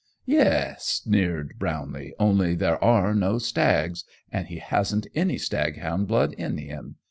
"Yes!" sneered Brownlee, "only there are no stags. And he hasn't any staghound blood in him.